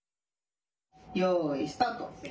よいスタート！